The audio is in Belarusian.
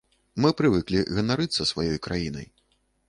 Мы прывыклі ганарыцца сваёй краінай.